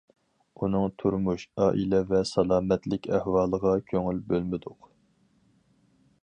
ئۇنىڭ تۇرمۇش، ئائىلە ۋە سالامەتلىك ئەھۋالىغا كۆڭۈل بۆلمىدۇق.